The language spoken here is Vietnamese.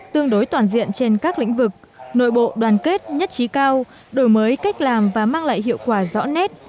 tương đối toàn diện trên các lĩnh vực nội bộ đoàn kết nhất trí cao đổi mới cách làm và mang lại hiệu quả rõ nét